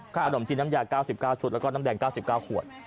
ขนมจีนน้ำยา๙๙ชุดและก็เงื่อนำ๙๙ขวด